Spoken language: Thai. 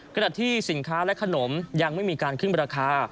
ขณะที่สินค้าและขนมยังไม่มีการขึ้นราคา